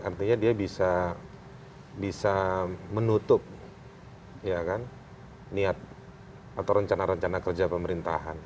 artinya dia bisa bisa menutup ya kan niat atau rencana rencana kerja pemerintahan